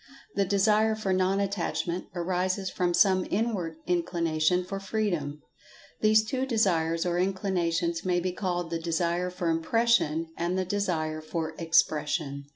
The Desire for Non attachment arises from some inward inclination for Freedom. These two Desires or[Pg 151] Inclinations may be called the Desire for Impression and the Desire for Expression.